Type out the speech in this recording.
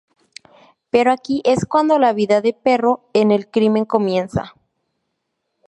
Pero aquí es cuando la vida de Perro en el crimen comienza.